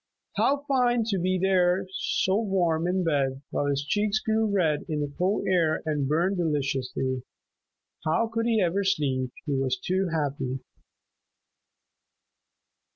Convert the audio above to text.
How fine to be there so warm in bed while his cheeks grew red in the cold air and burned deliciously. How could he ever sleep? He was too happy!